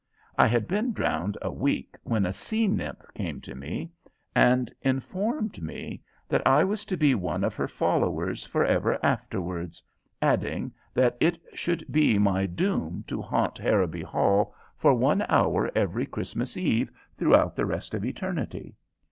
I had been drowned a week when a sea nymph came to me and informed me that I was to be one of her followers forever afterwards, adding that it should be my doom to haunt Harrowby Hall for one hour every Christmas Eve throughout the rest of eternity.